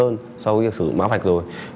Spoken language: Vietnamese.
hơn so với việc sử dụng mã vạch rồi